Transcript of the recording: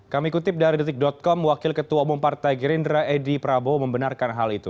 kami kutip dari detik com wakil ketua umum partai gerindra edi prabowo membenarkan hal itu